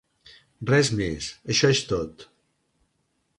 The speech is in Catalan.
Res més, això és tot!